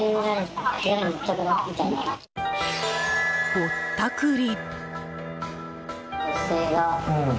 ぼったくり！